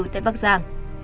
tại bắc giang